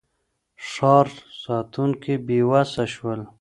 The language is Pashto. ښار ساتونکي بېوسه شول.